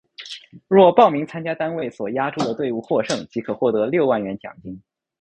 若报名参加单位所押注的队伍获胜即可获得六万元奖金。